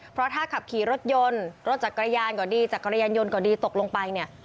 เพราะถ้าขับขี่รถยนต์รถจักรยานก็ดีจักรยานยนต์ก็ดีตกลงไปเนี่ย